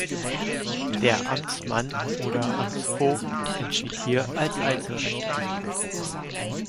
Der Amtmann oder Amtsvogt entschied hier als Einzelrichter.